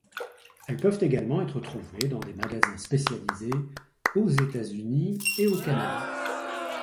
Elles peuvent également être trouvées dans des magasins spécialisés aux États-Unis et au Canada.